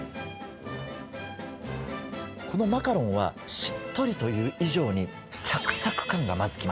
このマカロンはしっとりという以上にサクサク感がまず来ますね。